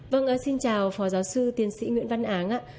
vâng xin chào phó giáo sư tiến sĩ nguyễn văn áng ạ